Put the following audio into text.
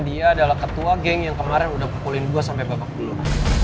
dia adalah ketua geng yang kemarin udah pukulin dua sampai babak dulu